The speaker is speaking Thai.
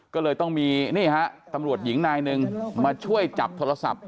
ก็เลยต้องมีนี่ฮะตำรวจหญิงนายหนึ่งมาช่วยจับโทรศัพท์